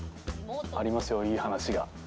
ありますよ、いい話が。